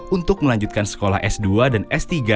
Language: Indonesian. untuk melanjutkan sekolah s dua dan s tiga